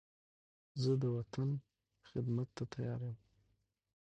زه د وطن خدمت ته تیار یم.